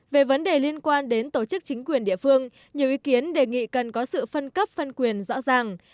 về vấn đề liên quan đến tổ chức chính quyền địa phương nhiều ý kiến đề nghị cần có sự phân cấp phân quyền rõ ràng